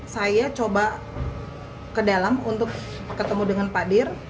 saya coba ke dalam untuk ketemu dengan pak dir